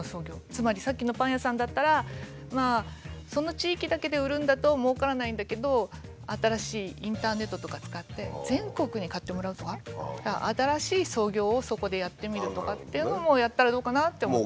つまりさっきのパン屋さんだったらまあその地域だけで売るんだともうからないんだけど新しいインターネットとか使って全国に買ってもらうとか新しい創業をそこでやってみるとかっていうのもやったらどうかなって思ったり。